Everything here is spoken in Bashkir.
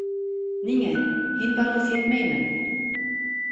Ниңә, һин барғас етмәйме?